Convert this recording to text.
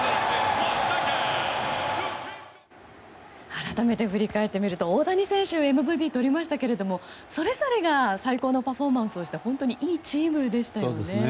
改めて振り返ってみると大谷選手、ＭＶＰを取りましたけどそれぞれが最高のパフォーマンスをしたいいチームでしたね。